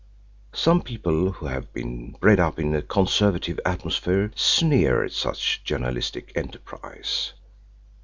Some people who have been bred up in a conservative atmosphere sneer at such journalistic enterprise.